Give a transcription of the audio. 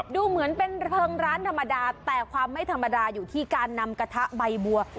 ดูเหมือนเป็นเพลิงร้านธรรมดาแต่ความไม่ธรรมดาอยู่ที่การนำกระทะใบบัว